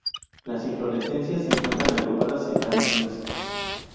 Las inflorescencias se encuentran agrupadas en panículas.